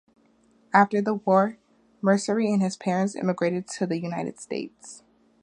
After the war, Meschery and his parents emigrated to the United States.